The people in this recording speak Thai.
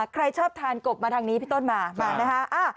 ใครชอบทานกบมาทางนี้พี่ต้นมามานะฮะ